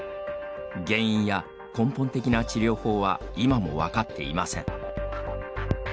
原因や根本的な治療法は今も分かっていません。